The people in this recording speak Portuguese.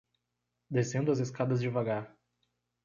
descendo as escadas devagar